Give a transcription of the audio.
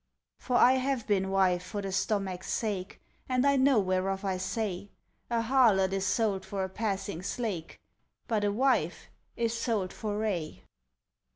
"For I have been wife for the stomach's sake, And I know whereof I say; A harlot is sold for a passing slake, But a wife is sold for aye.